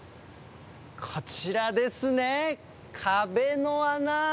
こちらですね、壁の穴。